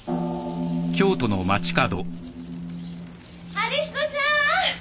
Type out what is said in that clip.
春彦さん！